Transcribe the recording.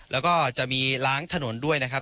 แล้วก็จะมีล้างถนนด้วยนะครับ